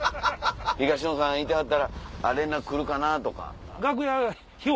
東野さんいてはったら連絡来るかな？とか。